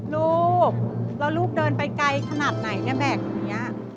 ลูกแล้วลูกเดินไปไกลขนาดไหนแบบนี้